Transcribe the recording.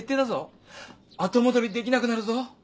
後戻りできなくなるぞ。